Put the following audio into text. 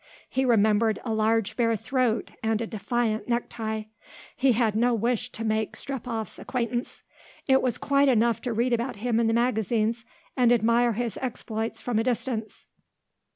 He remembered a large bare throat and a defiant neck tie. He had no wish to make Strepoff's acquaintance. It was quite enough to read about him in the magazines and admire his exploits from a distance.